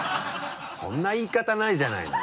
そんな言い方ないじゃないのよ。